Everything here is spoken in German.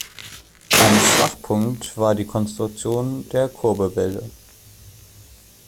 Ein Schwachpunkt war die Konstruktion der Kurbelwelle.